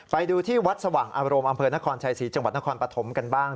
ไปดูที่วัดสว่างอารมณ์อำเภอนครชัยศรีจังหวัดนครปฐมกันบ้าง